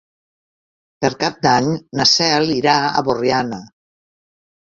Per Cap d'Any na Cel irà a Borriana.